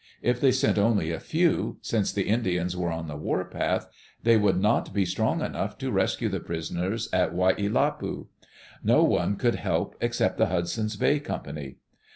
If they sent only a few, since the Indians were on the war path, they would not be strong enough to rescue the prisoners at Waiilatpu. No one could help except the Hudson's Bay Company.